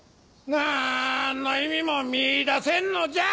なんの意味も見いだせんのじゃ！